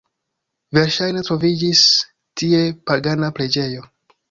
Verŝajne troviĝis tie pagana preĝejo.